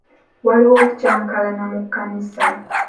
Waaliwo okukyankalana mu kkanisa.